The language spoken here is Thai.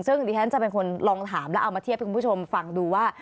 ซึ่งดิฉันจะเป็นคนลองถามแล้วเอามาเทียบให้คุณผู้ชมฟังดูว่า